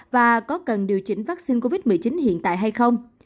và có cần điều chỉnh vaccine covid một mươi chín hiện tại hay không